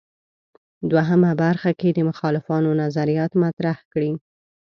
دوهمه برخه کې د مخالفانو نظریات مطرح کړي.